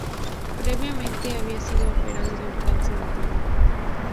Previamente había sido operado de un cáncer de pulmón.